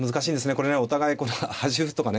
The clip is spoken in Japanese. これねお互い端歩とかね